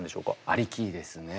ありきですね。